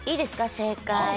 正解。